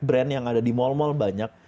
brand yang ada di mall mall banyak